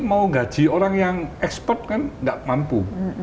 mau gaji orang yang ekspor kan nggak mampu